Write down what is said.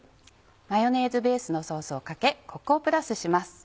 マヨネーズベースのソースをかけコクをプラスします。